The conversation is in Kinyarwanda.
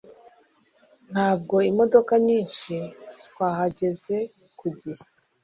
nubwo imodoka nyinshi, twahageze ku gihe